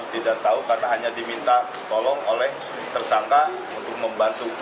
tidak tahu karena hanya diminta tolong oleh tersangka untuk membantu